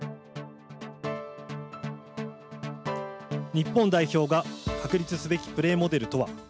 日本代表が確立すべきプレーモデルとは。